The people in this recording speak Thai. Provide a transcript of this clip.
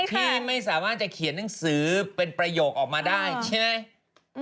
พี่ไม่สามารถจะเขียนหนังสือเป็นประโยคออกมาได้ใช่ไหม